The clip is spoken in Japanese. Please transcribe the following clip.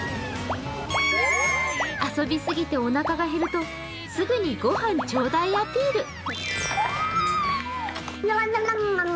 遊びすぎておなかが減るとすぐに御飯ちょうだいアピール。